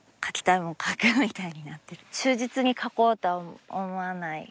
忠実に描こうとは思わない。